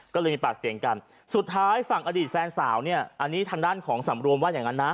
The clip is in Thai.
ก็เลยมีปากเสียงกันสุดท้ายฝั่งอดีตแฟนสาวเนี่ยอันนี้ทางด้านของสำรวมว่าอย่างนั้นนะ